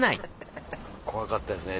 怖かったですね